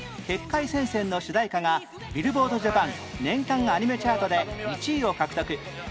『血界戦線』の主題歌がビルボードジャパン年間アニメチャートで１位を獲得